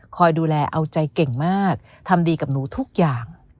คอยดูแลเอาใจเก่งมากทำดีกับหนูทุกอย่าง